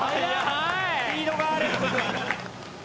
スピードがある。